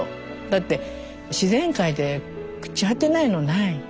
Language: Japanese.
だって自然界で朽ち果てないのない。